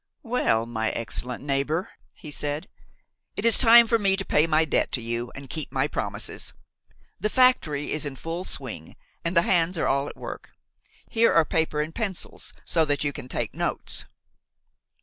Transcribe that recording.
"Well, my excellent neighbor," he said, "it is time for me to pay my debt to you and keep my promises. The factory is in full swing and the hands are all at work. Here are paper and pencils, so that you can take notes."